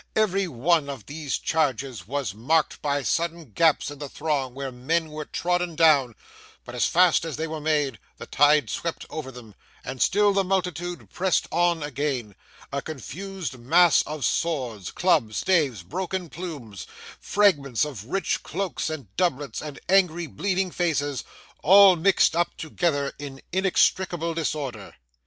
Every one of these charges was marked by sudden gaps in the throng where men were trodden down, but as fast as they were made, the tide swept over them, and still the multitude pressed on again, a confused mass of swords, clubs, staves, broken plumes, fragments of rich cloaks and doublets, and angry, bleeding faces, all mixed up together in inextricable disorder.